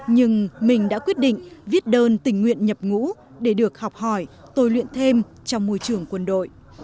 nhưng mình đã quyết định viết đơn tình nguyện nhập ngũ để được học hỏi tôi luyện thêm trong môi trường quân đội